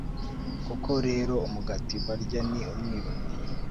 koko rero umugati barya ni umwibano